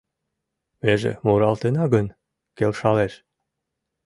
Меже муралтена гын, келшалеш.